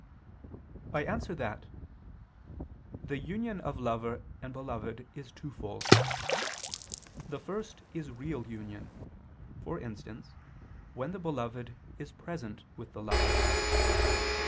I answer that, The union of lover and beloved is twofold. The first is real union; for instance, when the beloved is present with the lover.